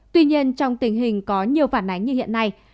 tuy nhiên trong tình hình có nhiều phản ánh như hiện nay